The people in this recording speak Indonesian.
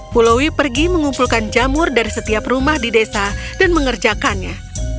pulaui pergi mengumpulkan jamur dari setiap rumah di desa dan mengerjakannya